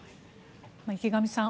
池上さん